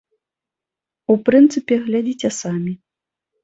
У прынцыпе, глядзіце самі.